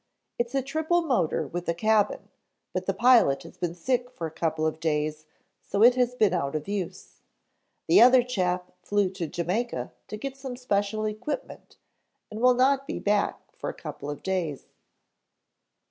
It's a triple motor with a cabin, but the pilot has been sick for a couple of days so it has been out of use. The other chap flew to Jamaica to get some special equipment and will not be back for a couple of days."